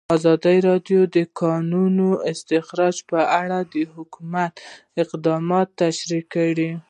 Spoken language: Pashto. ازادي راډیو د د کانونو استخراج په اړه د حکومت اقدامات تشریح کړي.